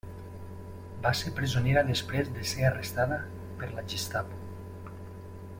Va ser presonera després de ser arrestada per la Gestapo.